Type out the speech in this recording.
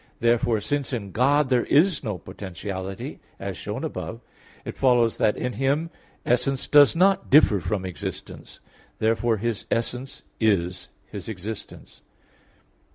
Therefore, since in God there is no potentiality, as shown above (A. 1), it follows that in Him essence does not differ from existence. Therefore His essence is His existence.